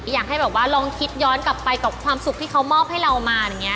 อยากให้แบบว่าลองคิดย้อนกลับไปกับความสุขที่เขามอบให้เรามาอย่างนี้